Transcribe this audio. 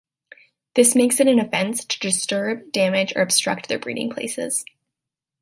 This makes it an offence to disturb, damage or obstruct their breeding places.